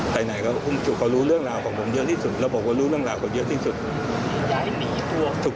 ไหนก็รู้เรื่องราวของผมเยอะที่สุดแล้วผมก็รู้เรื่องราวเขาเยอะที่สุด